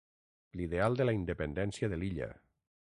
L'ideal de la independència de l'illa.